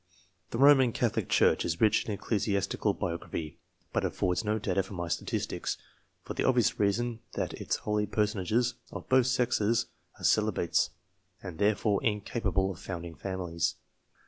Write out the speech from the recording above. The Roman Catholic Church is rich in ecclesiastical biography, but it affords no data for my statistics, for the obvious reason that its holy personages, of both sexes, are celibates, and therefore in capable of founding families.